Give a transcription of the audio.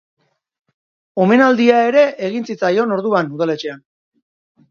Omenaldia ere egin zitzaion orduan udaletxean.